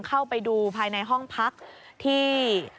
เข้าไปดูภายในห้องพักที่